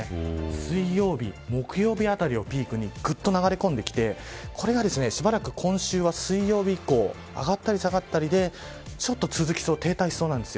水曜日、木曜日あたりをピークに流れ込んできてこれがしばらく今週は水曜日以降上がったり下がったりでちょっと続きそう停滞しそうなんです。